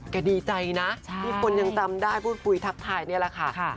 ดีใจนะที่คนยังจำได้พูดคุยทักทายนี่แหละค่ะ